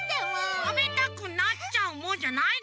「たべたくなっちゃうもん」じゃないでしょ！